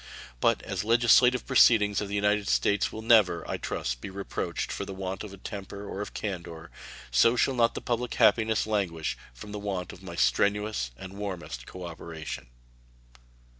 But as the legislative proceedings of the United States will never, I trust, be reproached for the want of temper or of candor, so shall not the public happiness languish from the want of my strenuous and warmest cooperation.